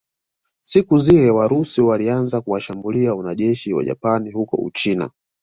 Siku zilezile Warusi walianza kuwashambulia wanajeshi Wajapani huko Uchina